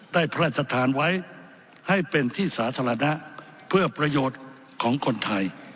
ได้พระราชทานไว้ให้เป็นที่สาธารณะเพื่อประโยชน์ของคนไทย